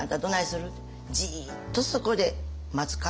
「じっとそこで待つか？